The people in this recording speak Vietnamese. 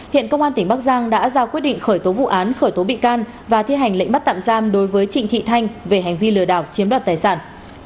hiện công an tỉnh bắc giang đã ra quyết định khởi tố vụ án khởi tố bị can và thi hành lệnh bắt tạm giam đối với trịnh thị thanh về hành vi lừa đảo chiếm đoạt tài sản